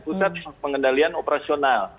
pusat pengendalian operasional